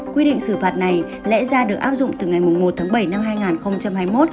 quy định xử phạt này lẽ ra được áp dụng từ ngày một tháng bảy năm hai nghìn hai mươi một